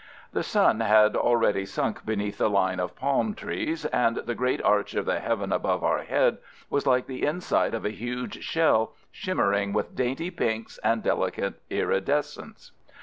The sun had already sunk beneath the line of palm trees, and the great arch of the heaven above our head was like the inside of a huge shell, shimmering with dainty pinks and delicate iridescence.